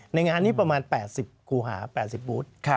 งานนี้ประมาณ๘๐คูหา๘๐บูธ